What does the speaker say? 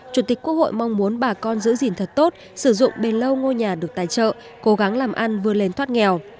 chủ tịch quốc hội mong muốn bà con giữ gìn thật tốt sử dụng bề lâu ngôi nhà được tài trợ cố gắng làm ăn vươn lên thoát nghèo